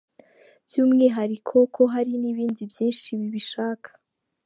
By’umwihariko ko hari n’ibindi byinshi bibishaka.